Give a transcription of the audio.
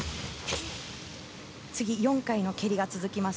次、４回の蹴りが続きます。